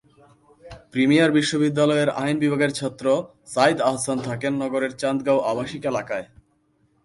Premier বিশ্ববিদ্যালয়ের আইন বিভাগের ছাত্র সাঈদ আহসান থাকেন নগরের চান্দগাঁও আবাসিক এলাকায়।